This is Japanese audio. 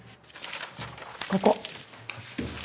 ここ。